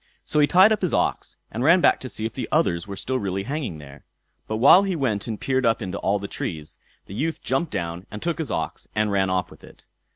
So he tied up his ox, and ran back to see if the others were still really hanging there. But while he went and peered up into all the trees, the youth jumped down and took his ox and ran off with it.